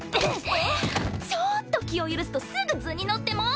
ちょーっと気を許すとすぐ図に乗ってもう！